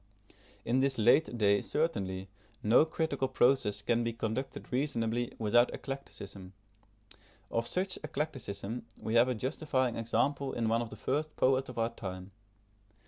In this late day certainly, no critical process can be conducted reasonably without eclecticism. Of such eclecticism we have a justifying example in one of the first poets of our time.